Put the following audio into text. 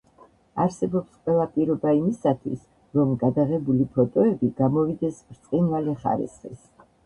არსებობს ყველა პირობა იმისათვის, რომ გადაღებული ფოტოები გამოვიდეს ბრწყინვალე ხარისხის.